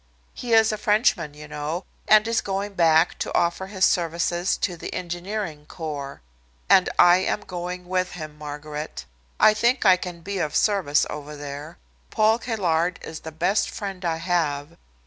He is a Frenchman, you know, and is going back to offer his services to the engineering corps." "And I am going with him, Margaret. I think I can be of service over there. Paul Caillard is the best friend I have.